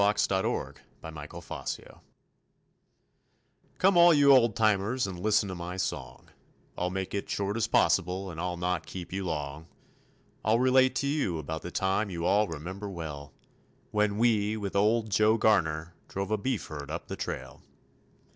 JOHN GARNER'S TRAIL HERD Come all you old timers and listen to my song; I'll make it short as possible and I'll not keep you long; I'll relate to you about the time you all remember well When we, with old Joe Garner, drove a beef herd up the trail.